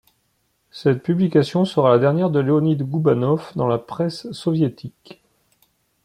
Cette publication sera la dernière de Leonid Goubanov dans la presse soviétique.